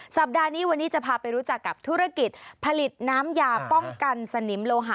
สัปดาห์นี้วันนี้จะพาไปรู้จักกับธุรกิจผลิตน้ำยาป้องกันสนิมโลหะ